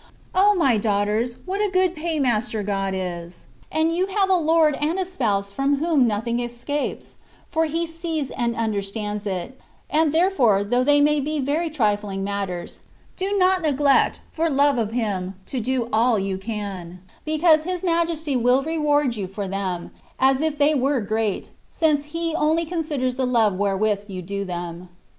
! my daughters, what a good paymaster God is ; and you have a Lord and a Spouse from whom nothing escapes, for He sees and understands it ; and, therefore, though they may be very trifling matters, do not neglect, for love of Him, to do all you can, because His Majesty will reward you for them, as if they were great, since He only consi ders the love wherewith you do them.